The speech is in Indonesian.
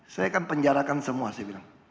saya kan penjarakan semua saya bilang